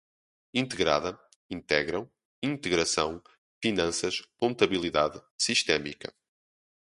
integrada, integram, integração, finanças, contabilidade, sistémica